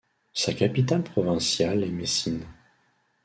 Sa capitale provinciale est Messine.